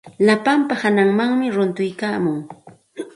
Slapa hananmanmi runtuykaamun.